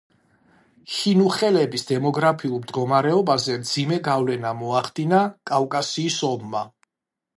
ჰინუხელების დემოგრაფიულ მდგომარეობაზე მძიმე გავლენა მოახდინა კავკასიის ომმა.